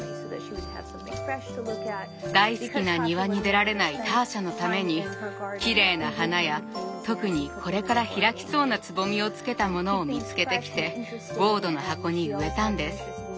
大好きな庭に出られないターシャのためにきれいな花や特にこれから開きそうな蕾をつけたものを見つけてきてウォードの箱に植えたんです。